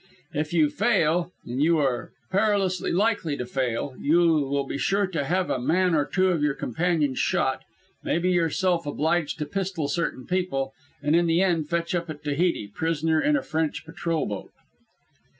If you fail, and you are perilously like to fail, you will be sure to have a man or two of your companions shot, maybe yourself obliged to pistol certain people, and in the end fetch up at Tahiti, prisoner in a French patrol boat.